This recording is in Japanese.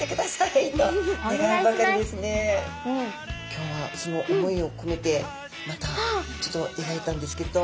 今日はその思いをこめてまたちょっとえがいたんですけれど。